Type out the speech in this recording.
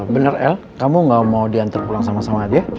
bener l kamu gak mau diantar pulang sama sama dia